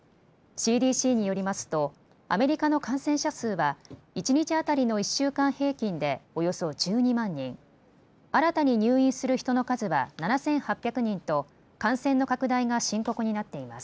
ＣＤＣによりますとアメリカの感染者数は一日当たりの１週間平均でおよそ１２万人、新たに入院する人の数は７８００人と感染の拡大が深刻になっています。